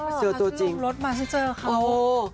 เรื่องรถมาจะเจอเขา